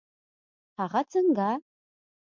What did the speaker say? هغه څنګه؟